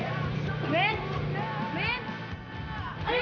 aku masuk nih